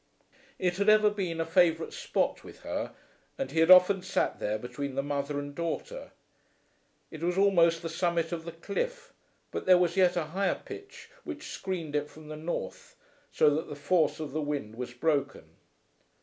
It had ever been a favourite spot with her, and he had often sat there between the mother and daughter. It was almost the summit of the cliff, but there was yet a higher pitch which screened it from the north, so that the force of the wind was broken.